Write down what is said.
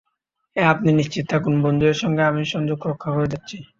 হ্যাঁ, আপনি নিশ্চিন্ত থাকুন, বন্ধুদের সঙ্গে আমি সংযোগ রক্ষা করে যাচ্ছি।